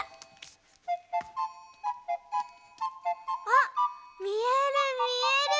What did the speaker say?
あっみえるみえる。